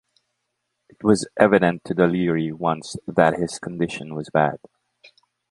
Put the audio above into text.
It was evident to the leery ones that his condition was bad.